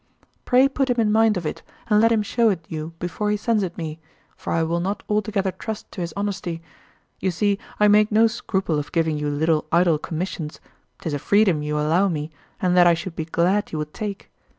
Pray put him in mind of it, and let him show it you before he sends it me, for I will not altogether trust to his honesty; you see I make no scruple of giving you little idle commissions, 'tis a freedom you allow me, and that I should be glad you would take.